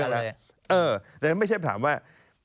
แต่นั้นไม่ใช่ถามว่า